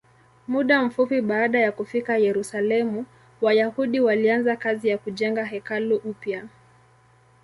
Muda mfupi baada ya kufika Yerusalemu, Wayahudi walianza kazi ya kujenga hekalu upya.